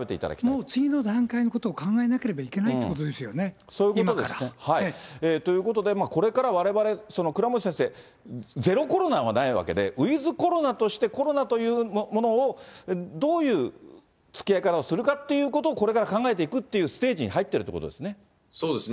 もう次の段階のことを考えなければいけないってことですよね、そういうことですよね。ということで、これから、われわれ、倉持先生、ゼロコロナはないわけで、ウィズコロナとして、コロナというものをどういうつきあい方をするかっていうことを、これから考えていくっていうステージに入っているということですそうですね。